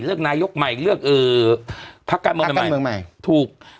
เลือกนายกใหม่เลือกเอ่อพักการเมืองใหม่เมืองใหม่ถูก